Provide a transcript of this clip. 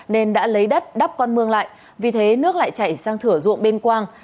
nên đã lấy đất đắp con mương lại vì thế nước lại chảy sang thử dụng bên quang